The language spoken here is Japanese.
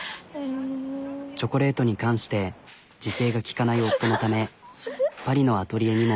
チョコレートに関して自制が利かない夫のためパリのアトリエにも。